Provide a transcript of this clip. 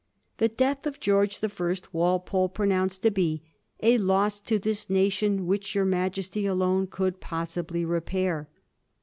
The death of George the First Walpole pronounced to be ' a loss to this nation which your Majesty alone could pos sibly repair.'